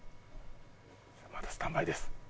まだスタンバイです